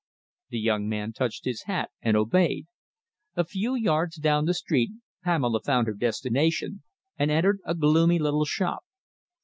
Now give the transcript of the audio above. The young man touched his hat and obeyed. A few yards down the street Pamela found her destination, and entered a gloomy little shop.